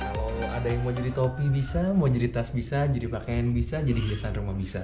kalau ada yang mau jadi topi bisa mau jadi tas bisa jadi pakaian bisa jadi hiasan rumah bisa